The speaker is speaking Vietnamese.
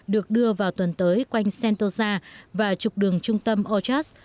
được đưa vào tuần tới quanh sentosa và trục đường trung tâm ochas